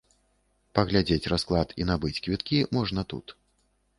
Паглядзець расклад і набыць квіткі можна тут.